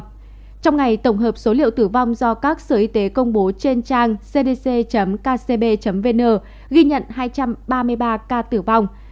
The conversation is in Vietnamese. trong ngày tổng hợp số liệu tử vong do các sở y tế công bố trên trang cdc kcb vn ghi nhận hai trăm ba mươi ba ca tử vong